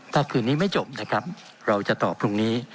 ถ้าคืนนี้ไม่จบนะครับเราจะตอบพรุ่งนี้